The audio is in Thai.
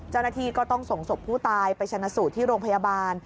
เจ้าหน้าที่ก็ต้องส่งศพผู้ตายไปชนะสูตรที่โรงพยาบาล